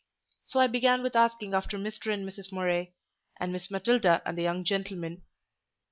So I began with asking after Mr. and Mrs. Murray, and Miss Matilda and the young gentlemen.